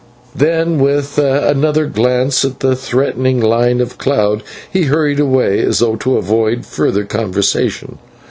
And with another glance at the threatening line of cloud, he hurried away as though to avoid further conversation.